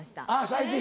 最近。